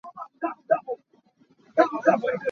Zei thei dah a tu hi an hmin?